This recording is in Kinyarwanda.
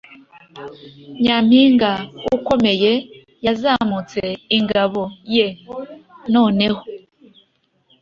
Nyampinga ukomeye yazamutse ingabo ye noneho